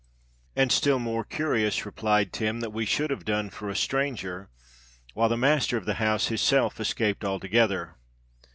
"And still more curious," replied Tim, "that we should have done for a stranger, while the master of the house his self escaped altogether.